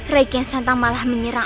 rai kian santang malah menyerang